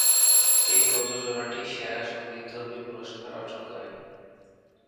এই প্রযোজনাটি সেরা সঙ্গীতধর্মী পুরস্কার অর্জন করে।